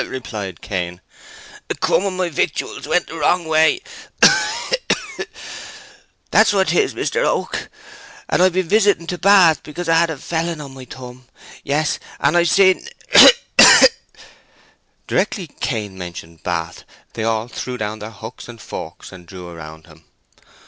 "Hok hok hok!" replied Cain. "A crumb of my victuals went the wrong way—hok hok! That's what 'tis, Mister Oak! And I've been visiting to Bath because I had a felon on my thumb; yes, and I've seen—ahok hok!" Directly Cain mentioned Bath, they all threw down their hooks and forks and drew round him.